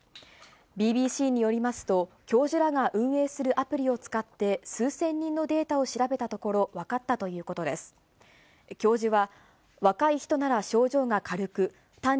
ＢＢＣによりますと、教授らが運営するアプリを使って、数千人のデータを調べたところ、全国の皆さん、こんばんは。